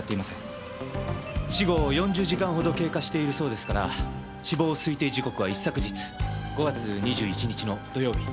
死後４０時間ほど経過しているそうですから死亡推定時刻は一昨日５月２１日の土曜日。